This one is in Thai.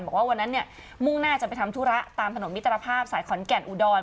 บอกว่าวันนั้นเนี่ยมุ่งหน้าจะไปทำธุระตามถนนมิตรภาพสายขอนแก่นอุดร